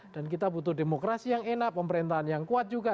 dan kita butuh demokrasi yang enak pemerintahan yang kuat juga